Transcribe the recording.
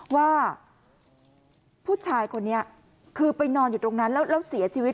ว่าผู้ชายคนนี้คือไปนอนอยู่ตรงนั้นแล้วเสียชีวิต